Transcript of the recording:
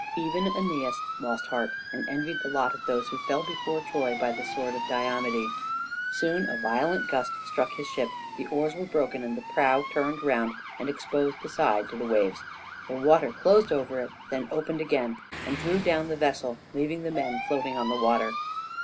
Even Æneas lost heart, and envied the lot of those who fell before Troy by the sword of Diomede. Soon a violent gust struck his ship, the oars were broken, and the prow turned round and exposed the side to the waves. The water closed over it, then opened again, and drew down the vessel, leaving the men floating on the water.